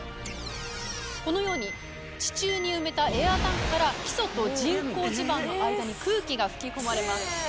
このように地中に埋めたエアータンクから基礎と人工地盤の間に空気が吹き込まれます。